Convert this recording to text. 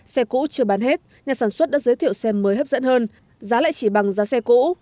xe cũ chưa bán hết nhà sản xuất đã giới thiệu xe mới hấp dẫn hơn giá lại chỉ bằng giá xe cũ